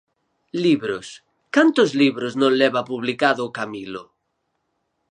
Libros, cantos libros non leva publicado o Camilo?